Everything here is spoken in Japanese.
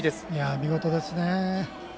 見事ですね。